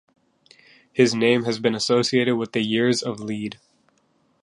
His name has been associated with the Years of Lead.